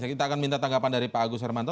kita akan minta tanggapan dari pak agus hermanto